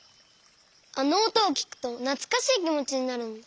あのおとをきくとなつかしいきもちになるんだ。